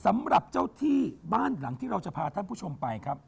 สำหรับเจ้าที่บ้านหลังที่เราจะพาท่านผู้ชมไปครับ